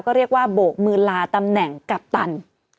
ก็เรียกว่าโบกมือลาตำแหน่งกัปตัน